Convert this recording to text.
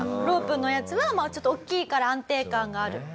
ロープのやつはちょっと大きいから安定感がある。